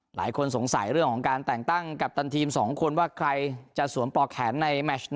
หลายคนสงสัยเรื่องของการแต่งตั้งกัปตันทีม๒คนว่าใครจะสวมปลอกแขนในแมช